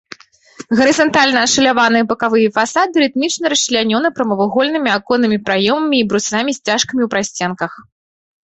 Гарызантальна ашаляваныя бакавыя фасады рытмічна расчлянёны прамавугольнымі аконнымі праёмамі і брусамі-сцяжкамі ў прасценках.